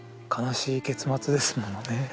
悲しい結末ですものね。